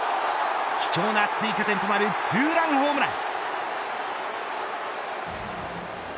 貴重な追加点となるツーランホームラン。